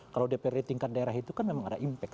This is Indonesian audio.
kalau dprd tingkat daerah itu kan memang ada impact